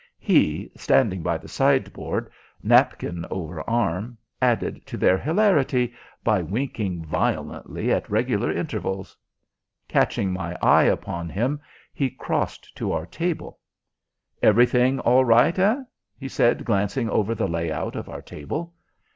He, standing by the sideboard, napkin over arm, added to their hilarity by winking violently at regular intervals. Catching my eye upon him, he crossed to our table. "Everything all right, eh?" he said, glancing over the lay out of our table.